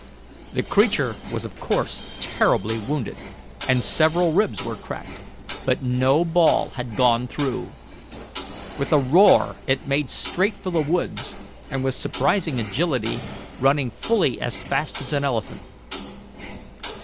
The creature was of course terribly wounded, and several ribs were cracked, but no ball had gone through. With a roar it made straight for the woods, and with surprising agility, running fully as fast as an elephant.